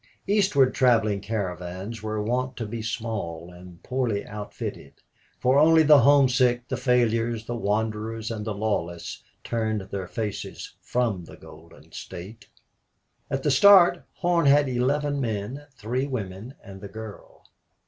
Eastward traveling caravans were wont to be small and poorly outfitted, for only the homesick, the failures, the wanderers, and the lawless turned their faces from the Golden State. At the start Horn had eleven men, three women, and the girl.